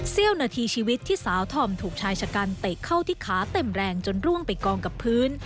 เสี้ยวนาทีชีวิตที่สาวธอมถูกชายชะกันเตะเข้าที่ขาเต็มแรงจนร่วงไปกองกับพื้น